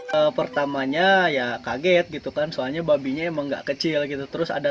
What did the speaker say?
ya pertamanya ya kaget gitu kan soalnya babinya emang enggak kecil gitu terus ada